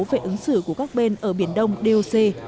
về ứng xử của các bên ở biển đông điều xê